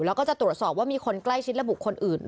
แล้วก็จะตรวจสอบว่ามีคนใกล้ชิดและบุคคลอื่น